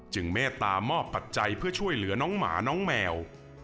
เมตตามอบปัจจัยเพื่อช่วยเหลือน้องหมาน้องแมว